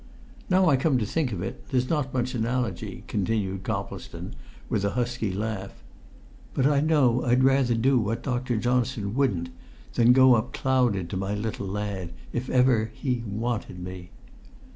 Now I come to think of it, there's not much analogy," continued Coplestone with a husky laugh. "But I know I'd rather do what Dr. Johnson wouldn't than go up clouded to my little lad if ever he wanted me!"